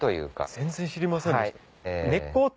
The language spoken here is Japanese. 全然知りませんでした。